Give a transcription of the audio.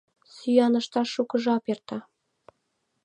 Сӱан ышташ шуко жап эрта...